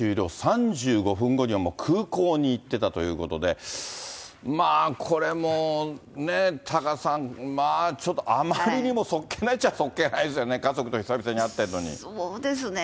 ３５分後にはもう空港に行ってたということで、まあ、これもね、多賀さん、まあちょっとあまりにもそっけないと言っちゃそっけないですよね、そうですね。